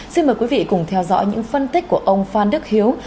xin mời quý vị cùng theo dõi những phân tích của ông phan đức hiếu